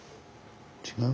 違う？